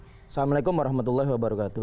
assalamualaikum warahmatullahi wabarakatuh